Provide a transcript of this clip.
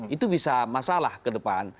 itu bisa masalah kedepan